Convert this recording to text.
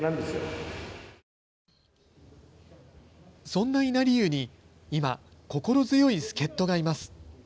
そんな稲荷湯に今、心強い助っとがいます。